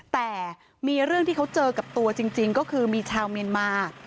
แต่มีเรื่องที่เขาเจอกับตัวจริงก็คือมีชาวเมียนมา